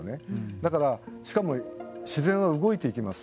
だから、しかも自然は動いていきます。